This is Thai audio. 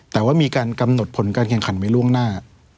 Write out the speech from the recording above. แต่ว่ามีการกำหนดผลการแข่งขันไว้ล่วงหน้า